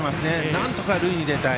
なんとか塁に出たい。